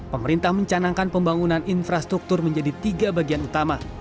pemerintah mencanangkan pembangunan infrastruktur menjadi tiga bagian utama